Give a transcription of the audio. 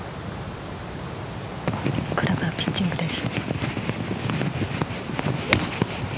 クラブはピッチングです。